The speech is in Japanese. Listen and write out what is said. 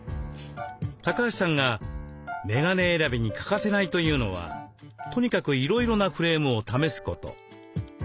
橋さんがメガネ選びに欠かせないというのはとにかくいろいろなフレームを試すこと。